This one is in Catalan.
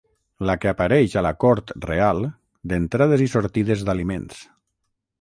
La que apareix a la cort real, d'entrades i sortides d'aliments.